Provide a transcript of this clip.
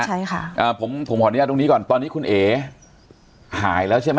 ใช่ค่ะอ่าผมผมขออนุญาตตรงนี้ก่อนตอนนี้คุณเอ๋หายแล้วใช่ไหม